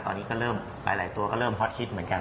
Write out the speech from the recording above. ตอนนี้ก็เริ่มหลายตัวก็เริ่มฮอตฮิตเหมือนกัน